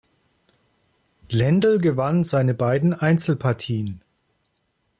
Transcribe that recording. Lendl gewann seine beiden Einzelpartien.